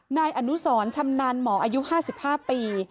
นายอนุสรชำนาญหมออายุ๕๕ปี